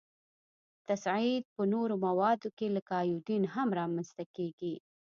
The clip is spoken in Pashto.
تصعید په نورو موادو کې لکه ایودین هم را منځ ته کیږي.